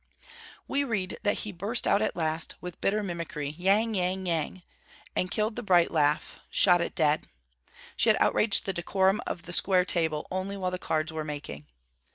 We read that he burst out at last, with bitter mimicry, 'yang yang yang!' and killed the bright laugh, shot it dead. She had outraged the decorum of the square table only while the cards were making.